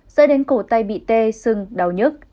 dẫn đến cổ tay bị tê sưng đau nhất